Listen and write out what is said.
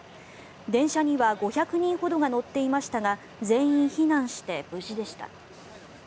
電車には５００人ほどが乗っていましたが全員避難して無事でした。